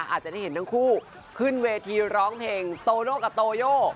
อาจจะได้เห็นทั้งคู่ขึ้นเวทีร้องเพลงโตโน่กับโตโย